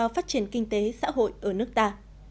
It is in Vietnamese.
phát triển kinh tế xã hội ở nước ta